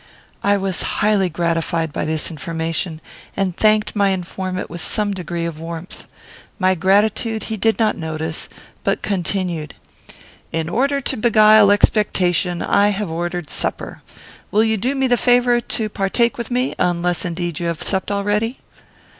I was highly gratified by this information, and thanked my informant with some degree of warmth. My gratitude he did not notice, but continued: "In order to beguile expectation, I have ordered supper; will you do me the favour to partake with me, unless indeed you have supped already?"